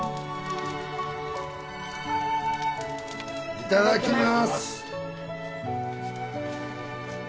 いただきます